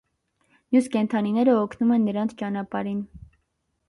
Մյուս կենդանիները օգնում են նրանց ճանապարհին։